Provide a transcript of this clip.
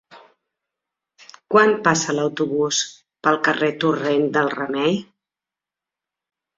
Quan passa l'autobús pel carrer Torrent del Remei?